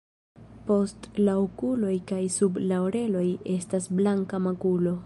Post la okuloj kaj sub la oreloj estas blanka makulo.